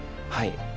はい。